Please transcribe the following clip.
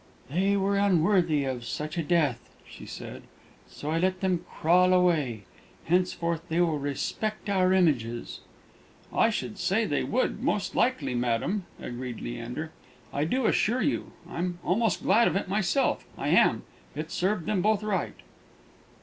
"They were unworthy of such a death," she said; "so I let them crawl away. Henceforth they will respect our images." "I should say they would, most likely, madam," agreed Leander. "I do assure you, I'm almost glad of it myself I am; it served them both right."